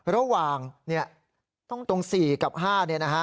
ระหว่างตรง๔กับ๕เนี่ยนะฮะ